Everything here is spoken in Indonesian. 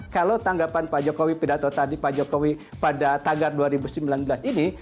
kalau tanggapan pak jokowi pada tagar dua ribu sembilan belas ini